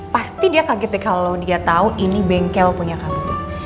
pasti dia kaget nih kalo dia tau ini bengkel punya kamu